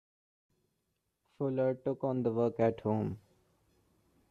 Fuller took on the work at home.